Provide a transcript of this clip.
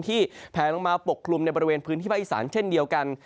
แผลลงมาปกคลุมในบริเวณพื้นที่ภาคอีสานเช่นเดียวกัน